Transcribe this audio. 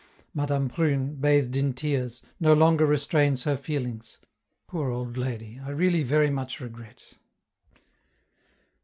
Madame Prune, bathed in tears, no longer restrains her feelings; poor old lady, I really very much regret....